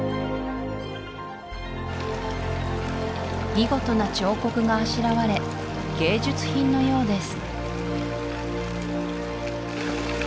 見事な彫刻があしらわれ芸術品のようです